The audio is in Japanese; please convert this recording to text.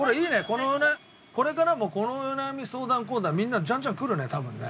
このねこれからもこのお悩み相談コーナーみんなジャンジャンくるね多分ね。